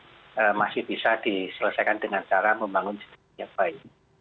jadi masih bisa diselesaikan dengan cara membangun sistem yang baik